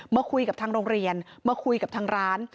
มาคุยกับทางโรงเรียนมาคุยกับทางร้าน